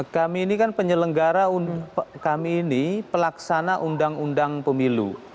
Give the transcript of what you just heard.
kami ini kan penyelenggara kami ini pelaksana undang undang pemilu